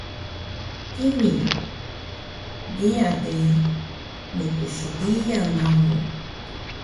Gimi, kiya de mpsdiyal namu